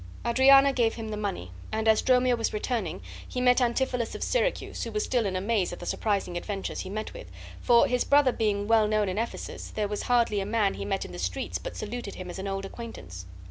Adriana gave him the money, and as Dromio was returning he met Antipholus of Syracuse, who was still in amaze at the surprising adventures he met with, for, his brother being well known in Ephesus, there was hardly a man he met in the streets but saluted him as an old acquaintance.